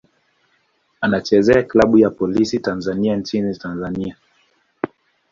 Anachezea klabu ya Polisi Tanzania nchini Tanzania.